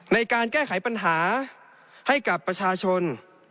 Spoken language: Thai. ในการแก้ไขปัญหาให้กับประชาชน